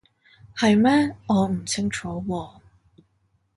係咩？我唔清楚喎